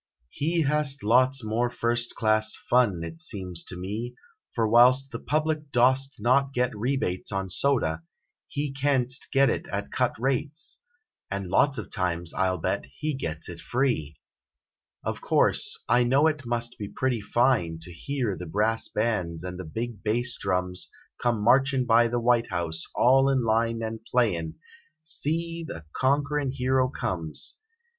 He Hast lots more first class fun, it seems to me, For whilst the public dost not get rebates 33 On soda, he canst get it at cut rates, And lots of times, I 11 bet, he gets it free! Of course, I know it must be pretty fine To hear the brass bands and the big bass drums Come marchin by the White House all in line And playin : "See, the Conquerin Hero Comes!